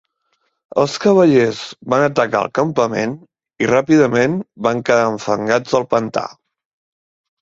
Els cavallers van atacar el campament i ràpidament van quedar enfangats al pantà.